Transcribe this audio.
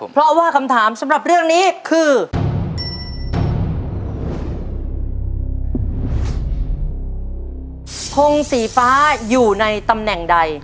เพราะว่าคำถามสำหรับเรื่องนี้คือ